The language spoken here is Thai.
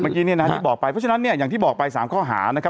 เมื่อกี้ที่บอกไปเพราะฉะนั้นอย่างที่บอกไป๓ข้อหานะครับ